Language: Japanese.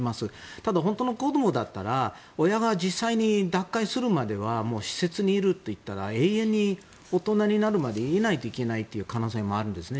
ただ、本当の子供だったら親が実際に脱会するまでは施設にいるといったら永遠に大人になるまでいないといけない可能性もあるんですね。